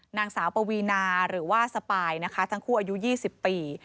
นางสาวปวีนาหรือว่าสปายนะคะทั้งคู่อายุ๒๐ปี